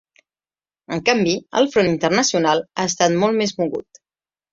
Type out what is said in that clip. En canvi, el front internacional ha estat molt més mogut.